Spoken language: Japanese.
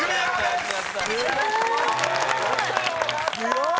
すごーい！